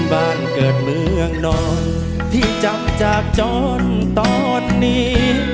บ้านเกิดเมืองนอนที่จำจากจนตอนนี้